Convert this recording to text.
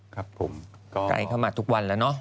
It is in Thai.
ครับผมก็ไกลเข้ามาทุกวันแล้วเนอะ